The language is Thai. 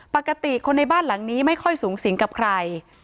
ปกติคนในบ้านหลังนี้ไม่ค่อยสูงสิงกับใคร